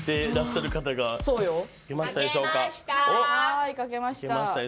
はい書けました。